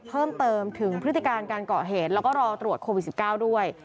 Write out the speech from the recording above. เพิ่มเติมถึงพฤติการการเกาะเหตุแล้วก็รอตรวจโควิด๑๙ด้วย